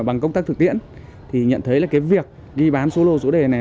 bằng công tác thực tiễn thì nhận thấy là cái việc đi bán số lô số đề này